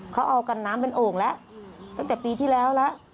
เขาเอากันน้ำเป็นโอ่งแล้วตั้งแต่ปีที่แล้วแล้ว